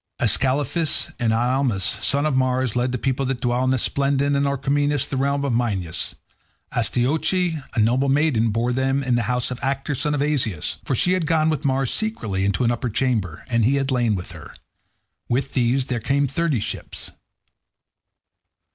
Ascalaphus and Ialmenus, sons of Mars, led the people that dwelt in Aspledon and Orchomenus the realm of Minyas. Astyoche a noble maiden bore them in the house of Actor son of Azeus; for she had gone with Mars secretly into an upper chamber, and he had lain with her. With these there came thirty ships.